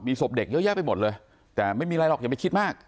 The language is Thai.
ศพเด็กเยอะแยะไปหมดเลยแต่ไม่มีอะไรหรอกอย่าไปคิดมาก